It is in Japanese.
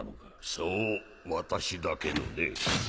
そう私だけのね。